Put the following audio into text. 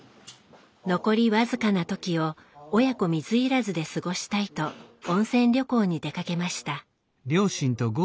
残り僅かな時を親子水入らずで過ごしたいと温泉旅行に出かけました。